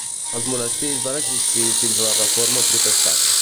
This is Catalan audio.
El monestir va existir fins a la Reforma Protestant.